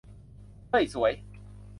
เฮ้ย สวย